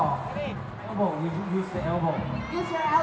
มือมือมือต้องปุ่มอีกแน่